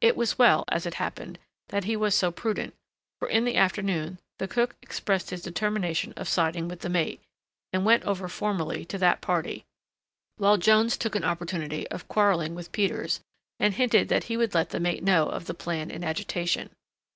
It was well, as it happened, that he was so prudent, for in the afternoon the cook expressed his determination of siding with the mate, and went over formally to that party; while Jones took an opportunity of quarrelling with Peters, and hinted that he would let the mate know of the plan in agitation.